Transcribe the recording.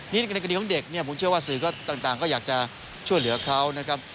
นี่ในคดีของเด็กเนี่ยผมเชื่อว่าสื่อต่างก็อยากจะช่วยเหลือเขานะครับ